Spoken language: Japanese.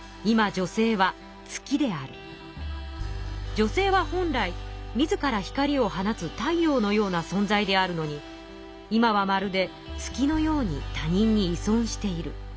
女性は本来自ら光を放つ太陽のような存在であるのに今はまるで月のように他人に依存している。